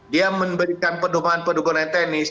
dia memberikan pendukungan pendukungan teknis